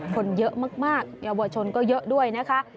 คนเยอะมากเยาวชนก็เยอะด้วยนะคะ